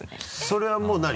それはもう何？